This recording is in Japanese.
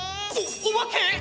おおばけ！？